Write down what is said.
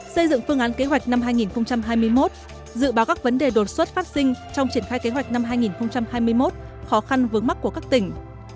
xây dựng phương án kế hoạch năm hai nghìn hai mươi một dự báo các vấn đề đột xuất phát sinh trong triển khai kế hoạch năm hai nghìn hai mươi một khó khăn vướng mắt của các tỉnh